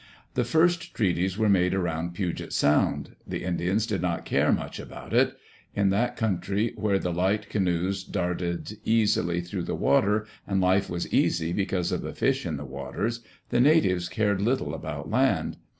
The first treaties were made around Puget Sound. The Indians did not care much about it In that country, where the light canoes darted easily through the water, and life was easy because of the fish in the waters, the natives cared little about land.